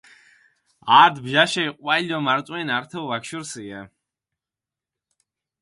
ართი ბჟაშე ჸვალი დო მარწვენი ართო ვაგშუურსია